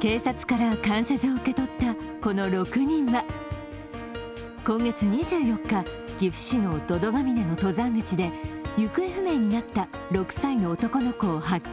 警察から感謝状を受け取ったこの６人は今月２４日岐阜市の百百峰の登山口で行方不明になった６歳の男の子を発見。